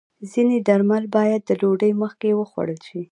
ځینې درمل باید د ډوډۍ مخکې وخوړل شي.